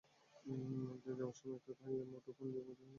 যাওয়ার সময় তারা একটি থাই মুঠোফোন দিয়ে যায় দেশে যোগাযোগের জন্য।